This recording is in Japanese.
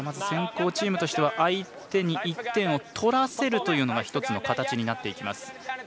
先攻チームとしては相手に１点を取らせるというのが１つの形になっていきます。